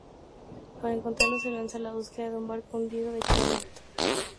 Para encontrarlo se lanza a la búsqueda de un barco hundido, el Charlotte.